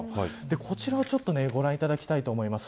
こちらをご覧いただきたいと思います。